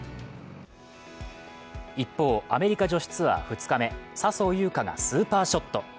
一方、アメリカ女子ツアー２日目、笹生優花がスーパーショット。